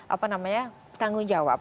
apa namanya tanggung jawab